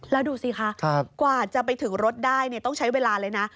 แล้วดูสิคะกว่าจะไปถึงรถได้ต้องใช้เวลาเลยนะ